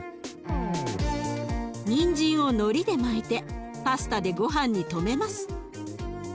にんじんをのりで巻いてパスタでごはんに留めます。